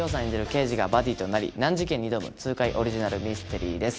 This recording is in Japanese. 刑事がバディとなり難事件に挑む痛快オリジナルミステリーです